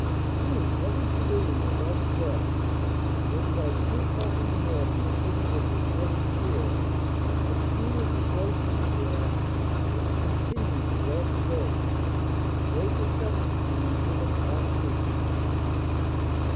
Soon every civilian was out of bed, and when by three o clock in the morning the city was reported clear, a scene of rejoicing began which con tinued throughout the day, a great reception being given our troops.